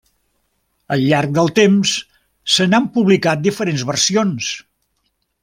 Al llarg del temps se n'han publicat diferents versions.